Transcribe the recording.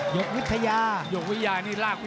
โหโหโหโหโหโหโหโหโห